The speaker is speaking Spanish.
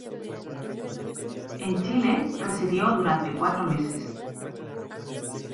En Chile residió durante cuatro meses.